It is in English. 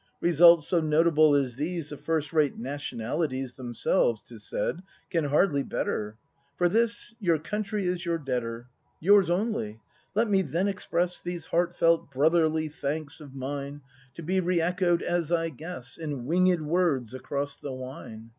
Results so notable as these The first rate Nationalities Themselves, 'tis said, can hardly better. — For this your Country is your debtor, Yours only; let me then express These heartfelt, brotherly thanks of mine. ACT V] BRAND 235 To be re echoed, as I guess, In winged words across the wine.